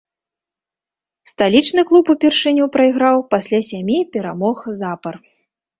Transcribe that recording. Сталічны клуб упершыню прайграў пасля сямі перамог запар.